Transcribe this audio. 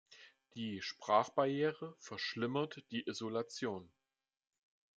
Die Sprachbarriere verschlimmert die Isolation.